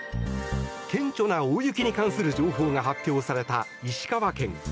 顕著な大雪に関する情報が発表された石川県。